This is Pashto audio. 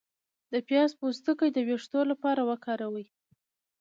د پیاز پوستکی د ویښتو لپاره وکاروئ